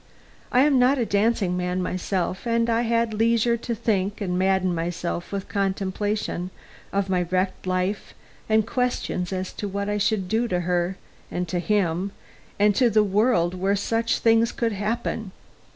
I am not a dancing man myself, and I had leisure to think and madden myself with contemplation of my wrecked life and questions as to what I should do to her and to him, and to the world where such things could happen.